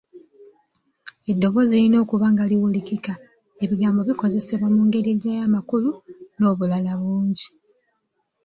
Eddoboozi lirina okuba nga liwulirikika, ebigambo bikozesebwa mu ngeri eggyayo amakulu n’obulala bungi.